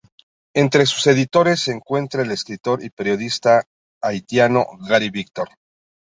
Entre sus editores se encuentra el escritor y periodista haitiano Gary Victor.